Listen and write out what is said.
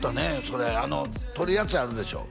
それ取るやつあるでしょ